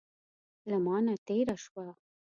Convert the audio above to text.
له مانه تېره شوه.